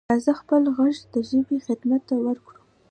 راځه خپل غږ د ژبې خدمت ته ورکړو.